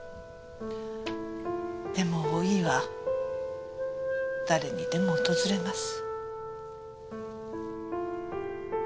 でも老いは誰にでも訪れます。